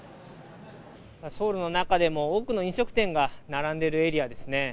ソウルの中でも多くの飲食店が並んでいるエリアですね。